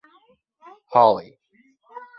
Holly.